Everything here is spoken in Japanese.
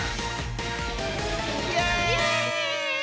イエーイ！